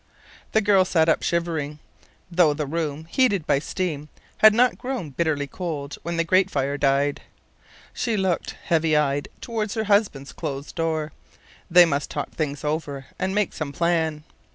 The girl sat up shivering, though the room, heated by steam, had not grown bitterly cold when the grate fire died. She looked, heavy eyed, toward her husband's closed door. They must talk things over, and make some plan.